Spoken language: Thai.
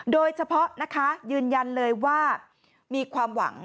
โดยเฉพาะนะคะยืนยันเลยว่ามีความหวัง